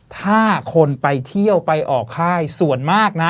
ถ้าคนไปเที่ยวไปออกค่ายส่วนมากนะ